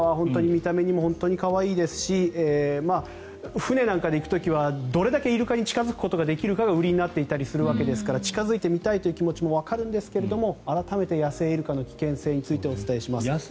見た目にも可愛いですし船なんかで行くときはどれだけイルカに近付くことができるかが売りになっていたりするわけですから近付いて見たいという気持ちもわかるんですけれど改めて野生イルカの危険性について見ていきます。